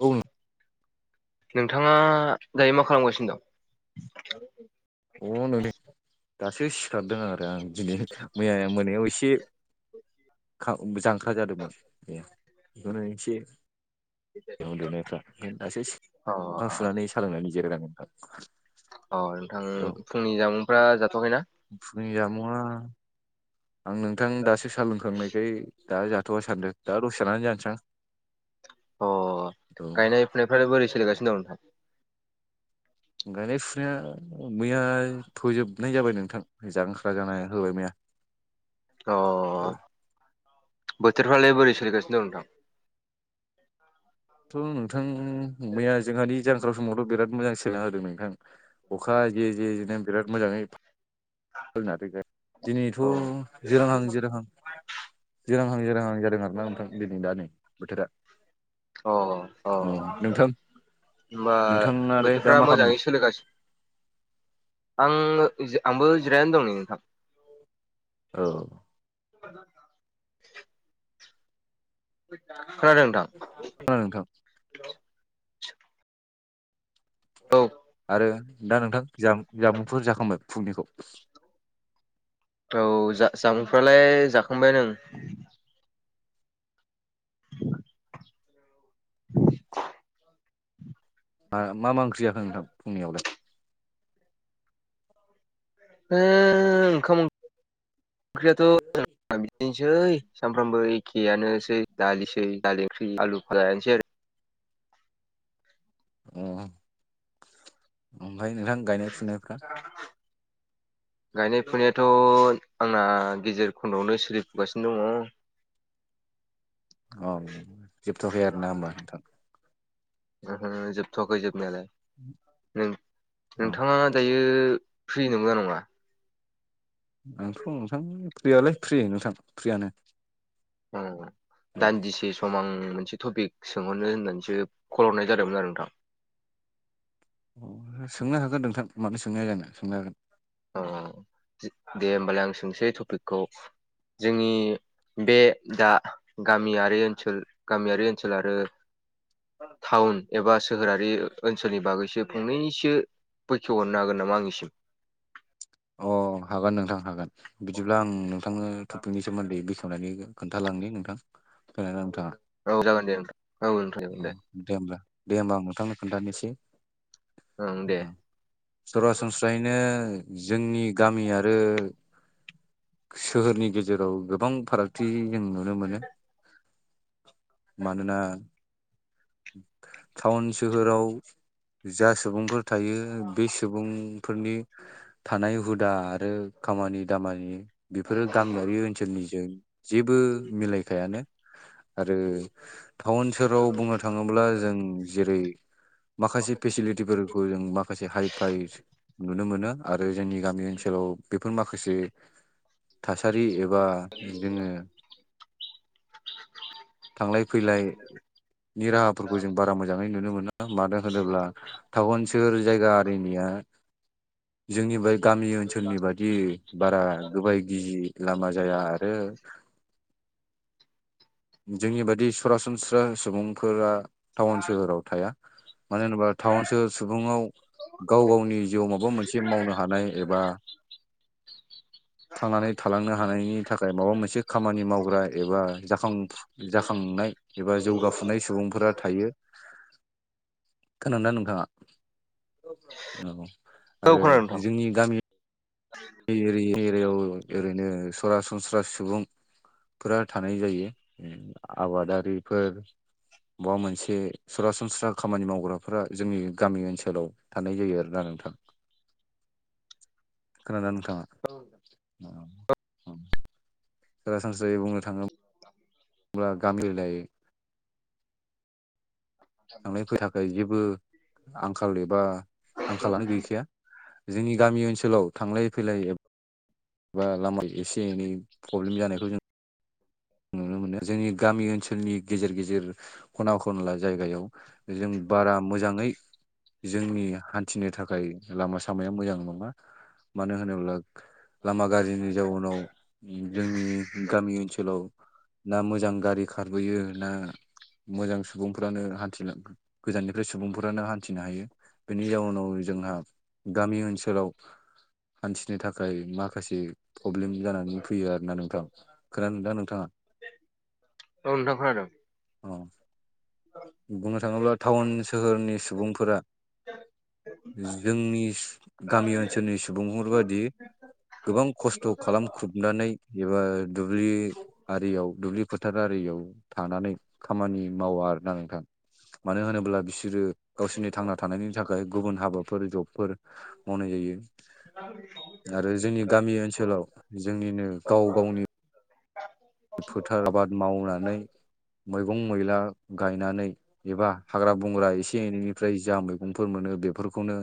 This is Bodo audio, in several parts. औ नोंथाङा दायो मा खालामगासिनो दं? अ नों दासो सिखारदों आरो आं दिनै मैया मोनायाव एसे जांख्रा जादोंमोन बे बेखौनो एसेन्दुनायफ्रा ओंनो दासो [inaudible] सि अ सुनानै खालामनायनि जेरगा नोंथां। अ नोंथां फुंनि जामुंफ्रा जाथ'वाखै ना फुनि जामुआ आं नोंथां दासो सा लोंखांनायखाय दा जाथ'वा सान्दों दा दसे थाना जानोसां। अ औ गायनाय फुनायफ्रालाय बोरै सोलिगासिनो दं नो गायनाय फुनाया मैया थ'जोबनाय जाबाय नोंथां जांख्रा जानाया होबाय मैया अ औ बोथोरफ्रालाय बोरै सोलिगासिनो दं नोंथां? थ' नोंथां मैया जोंहानि जांख्रा समावथ' बिराद मोजां सगां होदों नोंथां अखा जे जे जेनो बिराद मोजाङै दिनैथ' अ जिरांहां जिरहां जिरांहां जिरांहां जादों आर ना नोंथां दिनै दा नै बोथोरा अ औ होनबा नोंथाङालाय दा बोथोरफ्रा मा खालामदों मोजाङै सोलिगासिनो आं आंबो जिरायनो दं नै नोंथां। औ खोनादों नोंथां नोंथां औ आरो दा नोंथां जामुंफोर जाखांबाय फुंनिखौ औ जा-जामुंफ्रालाय जाखांबाय ओं। मा मा ओंख्रि जाखो नोंथां फुंनियावलाय? ओ ओंखाम ओंख्रियाथ' [inaudible] सै सानफ्रामबो एखेयानोसै दालिसै दालि ओंख्रि आलु फाजायानोसै आरो। अ ओमफ्राय नोंथां गायनाय फुनायफ्रा गायनाय फुनायाथ' आंना गेजेर खन्द'आवनो सोलिफुगासिनो दङ'। औ जोबथ'आखै आरोना होनोमबा नोंथां? ओ जोबथ'वाखै जोबनायालाय अ नों-नोंथाङा दायो फ्रि नंगोना नङा? आंथ' नोंथां फ्रियालाय फ्रि नोंथां फ्रियानो औ औ दान्दिसे सम आं मोनसे टपिक सोंहरनो होननानैसो खल हरनाय जादोंमोन आरो नोंथां। सोंनो हागोन नोंथां मानो सोंनो हाया जानो सोंनो हागोन औ दे होमबालाय आं सोंसै टपिकखौ जोंनि बे दा गामियारि ओनसोल गामियारि ओनसोल आरो टाउन एबा सोहोरारि ओनसोलनि बागैसो फंनैैसो बैखेव हरनो हागोन नामा आंनिसिम। अ हागोन नोंथां हागोन बिदिब्ला आं नोंथांनो टपिकनि सोमोन्दै बेखेवनानै खोन्थालांनि नोंथां फैनानै नोंथाङा औ जागोनदे नोंथां औे अ दे होमबा दे होमबा आं नोंथांनो खोन्थानोसै ओं दे सरासनस्रायैनो जोंनि गामि आरो सोहोरनि गेजेराव गोबां फारागथि जों नुनो मोनो मानोना टाउन सोहोराव जा सुबुंफोर थायो बे सुबुंफोरनि। थानाय हुदा आरो खामानि दामानि। बेफोरो गामियारि ओनसोलनिजों जेबो मिलायखायानो। आरो टाउन सहोराव बुंनो थां। होमब्ला जों जेरै माखासे फेसिलिटिफोरखौ जों माखासे हाइ फाइ नुनो मोनो आरो जोंनि गामि ओनसोलाव बेफोर माखासे थासारि एबा बा बिदिनो थांलाय फैलाय नि राहाफोरखौ जों बारा मोजाङै नुनो मोना मानो होनोब्ला टाउन सोहोर जायगा आरिनिया जोंनिबाय गामि ओनसोलनि बायदि। बारा गोबाय गिजि लामा जाया आरो। जोंनि बादि सरासनस्रा सुबुंफोरा टाउन सोहोराव थाया। मानो होनोबा टाउन सोहोर सुबुंआव गाव गावनि जिउआव माबा मोनसे मावनो। हानाय एबा। थांनानै थालांनो हानायनि थाखाय माबा मोनसे खामानि मावग्रा एबा जाखां। जाखांनाय एबा जौगाफुनाय सुबुंफोरा थायो। खोनादोंना नोंथांङा औ औ आरो खोनादों जोंनि गामि। बे एरि एरिायाव ओरैनो सरासनस्रा सुबुं। फोरा थानाय जायो आबादारिफोर। माबा मोनसे सरासनस्रा खामानि मावग्राफ्रा जोंनि गामि ओनसोलाव। थानाय जायो आरोना नोंथां। खोनादोंना नोंथांङा। औ। सरासनस्रायै बुंनो थाङो। बा गामिलाय। थांनाय फै थाखाय जेबो आंखाल एबा आंखालानो गैखाया। जोंनि गामि ओनसोलाव थांलाय फैलाय। बा लामायाव एसे एनै प्रब्लेम जानायखौ जों। नुनो मोनो जोंनि गामि ओनसोलनि गेजेर गेजेर। खना खनला जायगायाव जों बारा मोजाङै। जोंनि हान्थिनो थाखाय लामा सामाया मोजां नङा। मानो होनोब्ला लामा गाज्रिनि जाउनाव जोंनि गामि ओनसोलाव। ना मोजां गारि खारबोयो ना मोजां सुबुंफ्रानो हान्थिलाङो। गोजाननिफ्राय सुबुंफोरानो हान्थिनो हायो। बेनि जाउनाव जोंहा गामि ओनसोलाव। हान्थिनो थाखाय माखासे प्रब्लेम जानानै फैयो आरो ना नोंथां। खोनादों दा नोंथांङा। औ नोंथां खोनादों। औ। बुंनो थाङोब्ला टाउन सोहोरनि सुबुंफोरा जोंनि। गामि ओनसोलनि सुबुंफोर बादि। गोबां खस्थ' खालाम ख्रुबनानै एबा दुब्लि। आरियाव दुब्लि फोथार आरियाव थानानै खामानि मावा आरोना। थां मानो होनोब्ला बिसोरो गावसोरनि थांना थानायनि थाखाय गुबुन हाबाफोर जबफोर। मावनाय जायो। [unintelligible] आरो जोंनि गामि ओनसोलाव जोंनिनो गाव गावनि। फोथार आबाद मावनानै मैगं मैला गायनानै। एबा हाग्रा बंग्रा एसे एनैनिफ्राय जा मैगंफोर मोनो बेफोरखौनो।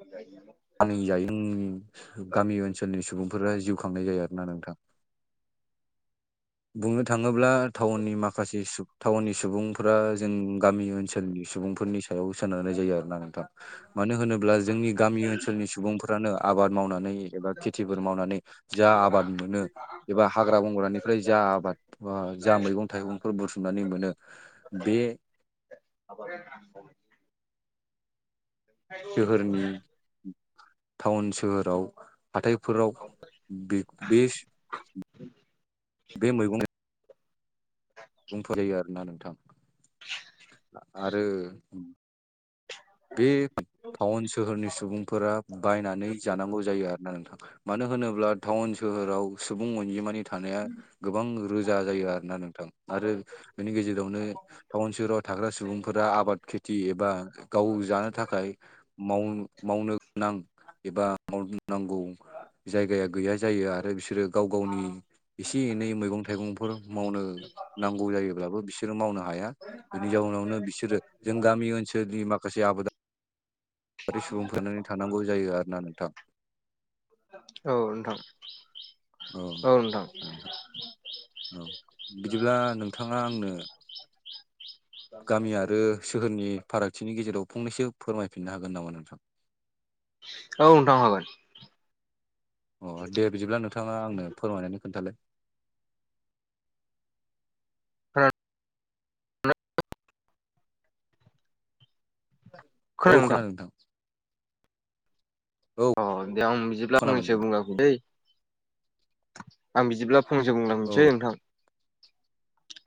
[unintelligible] फानि जायिमुंनि गामि ओनसोलनि सुबुंफोरा जिउ खांनाय जायो आरोना नोंथां। [unintelligible] बुंनो थाङोब्लाउननि माखासे टाउननि सुबुंफ्रा जों गामि ओनसोलनि सुबुं फोरनि सायाव सोनारनाय जायो आरोना नोंथां मानो होनोब्ला जोंनि गामि ओनसोल लनि सुबुंफ्रानो आबाद मावनानै एबा खेथिफोर मावनानै जा आबाद मोनो एबा हाग्रा बंग्रानिफ्राय जा आबाद जा मैगं थाइगंफोर बुथुमनानै मोनो। बे [unintelligible] सोहोरनि टाउन सोहोराव हाथायफोराव बे बे बे मैगं बुंफोरयो [unintelligible] आरोना नोंथां आरो बे टाउन सोहोरनि सुबुंफोरा बायनानै जानांगौ जायो आरोना नोंथां मानो होनोब्ला टाउन सोहोराव सुबुं अनजिमानि थानाया गोबां रोजा जायो आरोना नोंथां आरो बेनि गेजेरावनो टाउन सहराव थाग्रा सुबुंफोरा आबाद खेथि एबा गाव जानो थाखाय माव मावनो गोनां एबा मावनांगौ जायगाया गैया जायो आरो बिसोरो गाव गावनि एसे एनै मैगं थाइगंफोर मावनो नांगौ जायोब्लाबो बिसोरो मावनो हाया। बेनि जाउनावनो बिसोरो जों गामि ओनसोलनि माखासे आबाद बै सुबुंफ्रानो थानांगौ जायो आरोना नोंथां औ नोंथां औ नोंथां औ बिदिब्ला नोंथाङा आंनो गामि आरो सोहोरनि फारागथिनि गेजेराव फंनैसो फोरमायफिननो हागोन नामा नोंथां औ नोंथां हागोन। अ दे बिदिब्ला नोंथाङा आंनो फोरमायनानै खोन्थालाय खोना औ खोनादों नोंथां औ अ दे आं बिदिब्ला खोनाबाय फनैसे नोंथां बुंलांनि दै आं बिदिब्ला फंनैसो औ बुंलांनोसै नोंथां।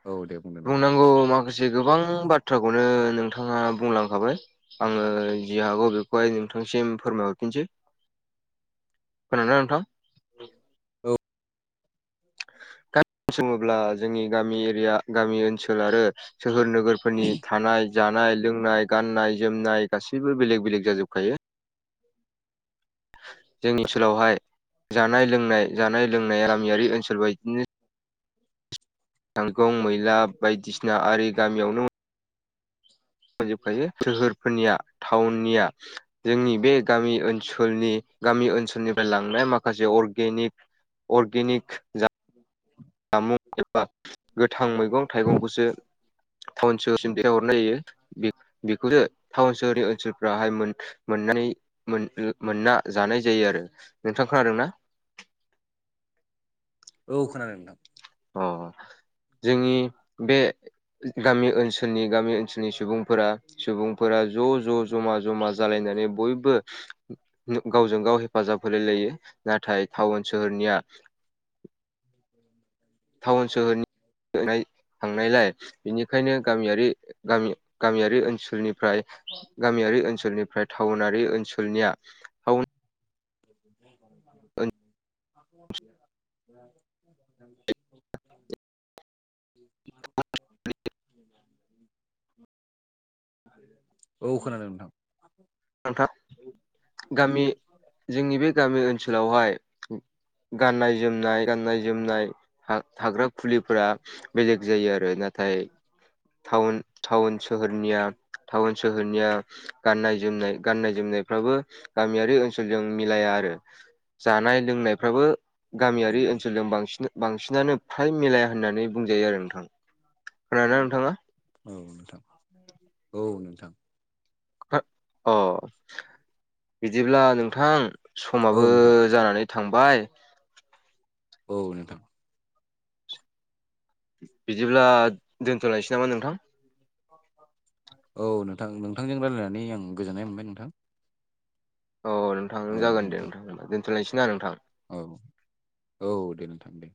औ दे बुंदो नोंथां बुंनांगौ माखासे गोबां बाथ्राखौनो नोंथाङा बुंलांखाबाय ओ जि हागौ बेखौहाय नोंथांसिम फोरमायहरफिनसै खोनादोना नोंथां औ गा [unintelligible] सोङोब्ला जोंनि गामि एरिया गामि ओनसोल आरो सोहोर नोगोर फोरनि थानाय जानाय लोंनाय गाननाय जोमनाय गासैबो बेलेग बेलेग जाजोबखायो। जोंनि ओनसोलावहाय जानाय लोंनाय जानाय लोंनाय गामियारि ओनसोल बायदिनो थाइगं मैला बायदिसिना आरि गामियावनो मोनजोबखायो सोहोरफोरनिया टाउननिया जोंनि बे गामि ओनसोलनि गामि ओनसोलनिफ्राय लांनाय माखासे अरगेनिक अरगेनिक [inaudible] जामुं एबा गोथां मैगं थाइगंखौसो टाउन सोहरसिम दैहरनाय जायो। बेखौनो टाउन सोहरनि ओनसोलफ्राहाय मोन मोननाय मोनना जानाय जायो आरो नोंथां खोनादोंना औ खोनादों नोंथां। अ जोंनि बे गामि ओनसोलनि गामि ओनसोलनि सुबुंफोरा सुबुंफोरा ज' ज' जमा जमा जालायनानै बयबो गावजों गाव हेफाजाब होलाय लायो नाथाय टाउन सोहोरनिया [inaudible] टाउन सोहोरनि थांनाय थांनायलाय बेनिफ्रायनो गामियारि गामि गामियारि ओनसोलनिफ्राय गामियारि ओनसोलनिफ्राय टाउनारि ओनसोलनिया टाउन [inaudible] [unintelligible] [unintelligible] [inaudible] औ खोनादों नोंथां। थां गामि जोंनि बे गामि ओनसोलावहाय गाननाय जोमनाय गाननाय जोमनाय था-थाग्रा फुलिफोरा बेलेग जायो आरो नाथाय टाउन‌ टाउन सोहोरनिया टाउन सोहोरनिया गाननाय जोमनाय गान्नाय जोमनायफ्राबो गामियारि ओनसोलजों मिलाया आरो जानाय-लोंनायफ्राबो गामियारि ओनसोलजों बांसिन बांसिनानो फ्राय मिलाया होननानै बुंजायो आरो नोंथां खोनादोंना नोंथाङा औ नोंथां औ नोंथां अ बिदिब्ला नोंथां औ समाबो नोंथां जानानै थांबाय औ नोंथां बिदिब्ला दोन्थ'लनोसै नामा नोंथां औ नोंथां नोंथांजों रायजलायनानै आं गोजोननाय मोनबाय नोंथां औ नोंथांनो जागोन दे नोंथां दोनथ'लायसै ना नोंथां औ औ दे नोंथां दे